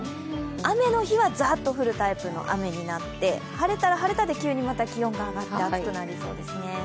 雨の日はザッと降るタイプの雨になって晴れたら晴れたで、急に気温が上がって暑くなりそうですね。